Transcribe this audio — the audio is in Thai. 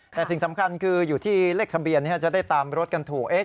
แต่สิ่งสำคัญคืออยู่ที่เลขทะเบียนจะได้ตามรถกันถูก